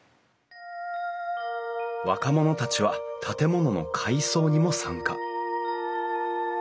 若者たちは建物の改装にも参加。